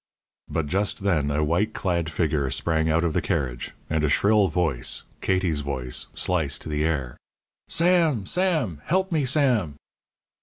But just then a white clad figure sprang out of the carriage, and a shrill voice Katie's voice sliced the air: "Sam! Sam! help me, Sam!"